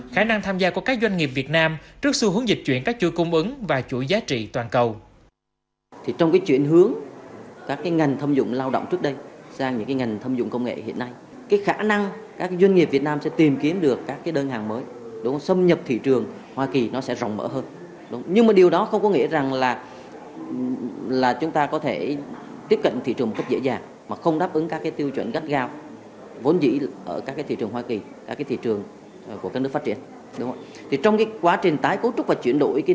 khả năng tham gia của các doanh nghiệp việt nam trước xu hướng dịch chuyển các chuỗi cung ứng và chuỗi giá trị toàn cầu